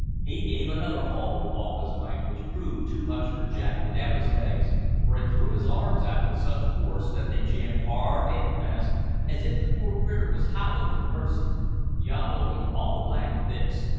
He gave another haul with all his might, which proved too much for jack without his legs, for it threw his arms out with such force that they jammed hard an' fast, as if the poor critter was howlin' for mercy! "Yambo looked awful blank at this.